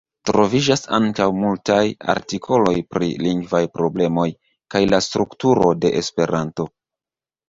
Troviĝas ankaŭ multaj artikoloj pri lingvaj problemoj kaj la strukturo de Esperanto.